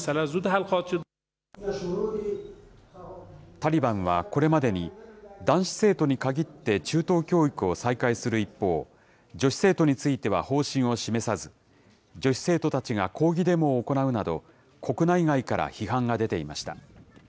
タリバンはこれまでに、男子生徒に限って中等教育を再開する一方、女子生徒については方針を示さず、女子生徒たちが抗議デモを行うなど、国内外から批判が出ていました。